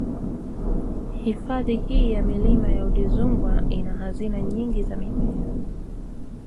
Hifadhi hii ya Milima ya Udzungwa ina hazina nyingi za mimea